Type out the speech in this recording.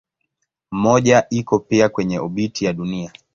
Mmoja iko pia kwenye obiti ya Dunia.